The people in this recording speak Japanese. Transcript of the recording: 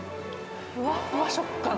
ふわふわ食感。